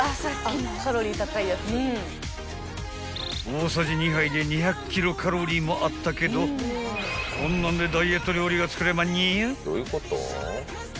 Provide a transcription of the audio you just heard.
［大さじ２杯で２００キロカロリーもあったけどこんなんでダイエット料理が作れまんにゃ？］